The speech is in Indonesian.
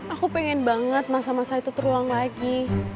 aku pengen banget masa masa itu terulang lagi